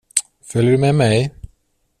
Följer du med mig?